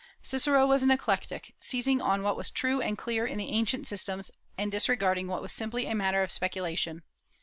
Cicero was an eclectic, seizing on what was true and clear in the ancient systems, and disregarding what was simply a matter of speculation.